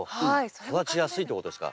育ちやすいってことですか？